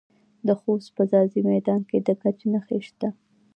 د خوست په ځاځي میدان کې د ګچ نښې شته.